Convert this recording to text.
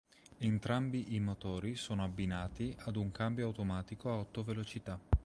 Entrambi i motori sono abbinati ad un cambio automatico a otto velocità.